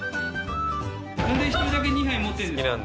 なんで一人だけ２杯持ってるんですか？